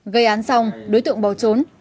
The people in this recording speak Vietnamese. gây án xong đối tượng bỏ trốn